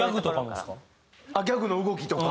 ギャグの動きとか？